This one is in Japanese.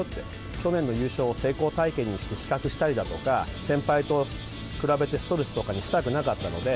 去年の優勝を成功体験にして比較したりだとか、先輩と比べてストレスとかにしたくなかったので。